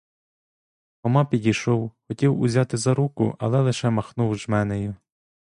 Хома підійшов, хотів узяти за руку, але лише махнув жменею.